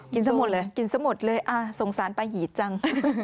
ซะหมดเลยกินซะหมดเลยสงสารป้าหีดจัง